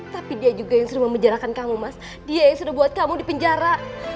tapi dia juga yang sudah memenjarakan kamu mas dia yang sudah buat kamu di penjara